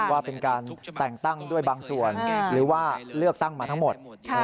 ว่าเป็นการแต่งตั้งด้วยบางส่วนหรือว่าเลือกตั้งมาทั้งหมด